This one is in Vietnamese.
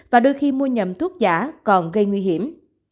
và đôi khi mua nhầm thuốc giả còn gây nguy hiểm